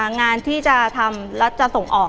งานที่จะทำแล้วจะส่งออก